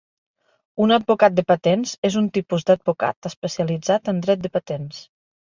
Un advocat de patents és un tipus d'advocat especialitzat en dret de patents